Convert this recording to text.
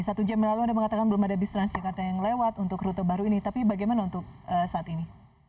satu jam lalu anda mengatakan belum ada bis transjakarta yang lewat untuk rute baru ini tapi bagaimana untuk saat ini